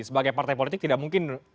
sebagai partai politik tidak mungkin